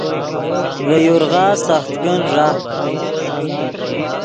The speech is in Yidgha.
ڤے یورغا سخت کن ݱا